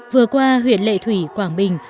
vừa qua huyện lệ thủy quảng bình